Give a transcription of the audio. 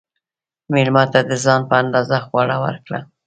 مېلمه ته د ځان په اندازه خواړه ورکړه.